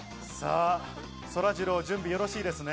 そらジロー、準備はよろしいですね。